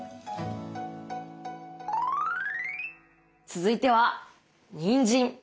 続いてはにんじん。